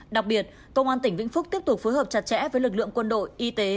đặc biệt công an tỉnh vĩnh phúc tiếp tục phối hợp chặt chẽ với lực lượng quân đội y tế